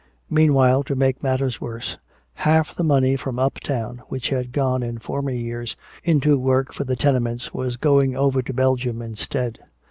Meanwhile, to make matters worse, half the money from uptown which had gone in former years into work for the tenements was going over to Belgium instead.